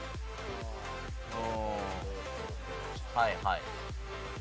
はいはい。